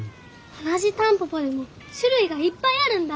同じタンポポでも種類がいっぱいあるんだ？